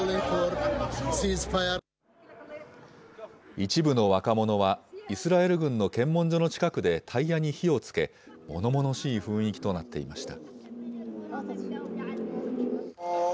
一部の若者は、イスラエル軍の検問所の近くでタイヤに火をつけ、ものものしい雰囲気となっていました。